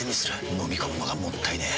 のみ込むのがもったいねえ。